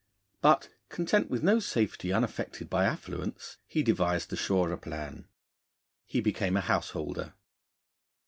But, content with no safety unattended by affluence, he devised a surer plan: he became a householder.